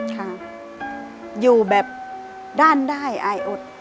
ค่ะอยู่แบบด้านได้อายอด